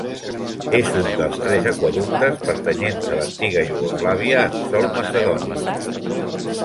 És un dels tres aqüeductes pertanyents a l'antiga Iugoslàvia en sòl macedoni.